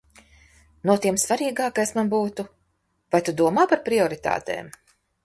No tiem svaigākais man būtu – vai tu domā par prioritātēm?